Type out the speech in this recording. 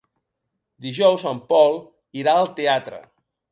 Dijous en Pol irà al teatre.